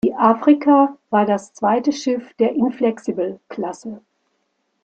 Die "Africa" war das zweite Schiff der "Inflexible"-Klasse.